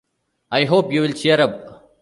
I hope you'll cheer up.